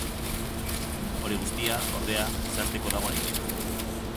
Hori guztia, ordea, zehazteako dago oraindik.